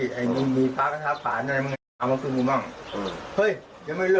อันดับพร้อมที่บ้านเขาได้ดูนะก็ประมาณ๒๓นาทิศ